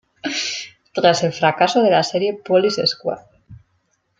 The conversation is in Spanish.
Tras el fracaso de la serie "Police Squad!